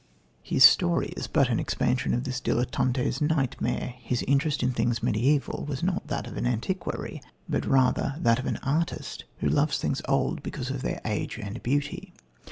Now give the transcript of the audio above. His story is but an expansion of this dilettante's nightmare. His interest in things mediaeval was not that of an antiquary, but rather that of an artist who loves things old because of their age and beauty.